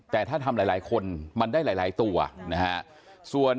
แต่ทำหลายคนมันได้หลายตัวนะครับ